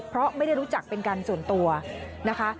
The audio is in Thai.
เพราะไม่ได้รู้จักเป็นการส่วนตัวนะคะ